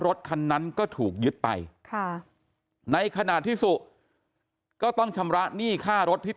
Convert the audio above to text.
รถคันนั้นก็ถูกยึดไปค่ะในขณะที่สุก็ต้องชำระหนี้ค่ารถที่